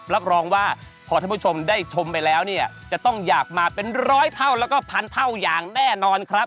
รับรองว่าพอท่านผู้ชมได้ชมไปแล้วเนี่ยจะต้องอยากมาเป็นร้อยเท่าแล้วก็พันเท่าอย่างแน่นอนครับ